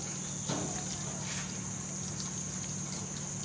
สุดท้ายสุดท้ายสุดท้าย